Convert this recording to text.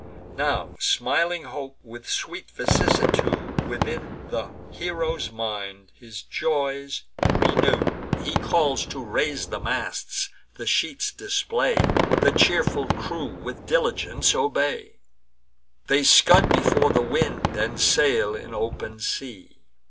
Now smiling hope, with sweet vicissitude, Within the hero's mind his joys renew'd. He calls to raise the masts, the sheets display; The cheerful crew with diligence obey; They scud before the wind, and sail in open sea.